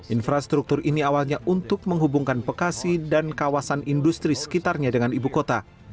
infrastruktur ini awalnya untuk menghubungkan bekasi dan kawasan industri sekitarnya dengan ibu kota